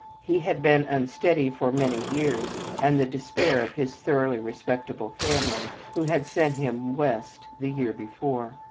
He had been unsteady for many years and the despair of his thoroughly respectable family who had sent him West the year before.